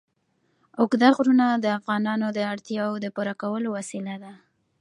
اوږده غرونه د افغانانو د اړتیاوو د پوره کولو وسیله ده.